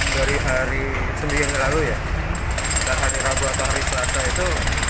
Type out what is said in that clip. dari hari sembilan lalu ya hari rabu atau hari selatan itu